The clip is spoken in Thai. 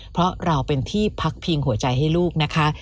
เพราะเราเป็นที่พักพิงหัวใจให้ลูกนะคะ